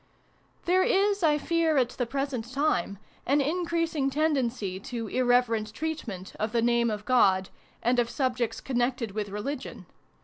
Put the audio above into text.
There is, I fear, at the present time, an increasing tendency to irreverent treatment of the name of God PREFACE. xxiii and of subjects connected with religion.